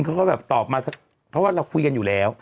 เขาก็แบบตอบมาเพราะว่าเราคุยกันอยู่แล้ว